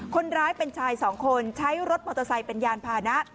คนร้ายเป็นชายสองคนใช้รถมอเตอร์ไซค์เป็นยานพานะ